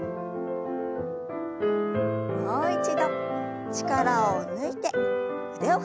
もう一度力を抜いて腕を振りましょう。